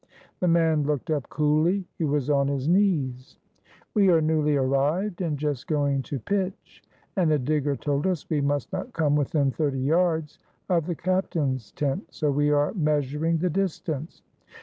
The man looked up coolly; he was on his knees. "We are newly arrived and just going to pitch, and a digger told us we must not come within thirty yards of the captain's tent, so we are measuring the distance."